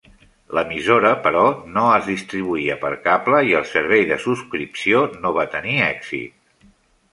L'emissora, però, no es distribuïa per cable i el servei de subscripció no va tenir èxit.